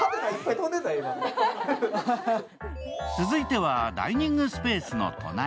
続いては、ダイニングスペースの隣。